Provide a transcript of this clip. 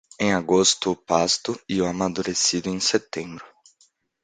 Em agosto o pasto e o amadurecido em setembro.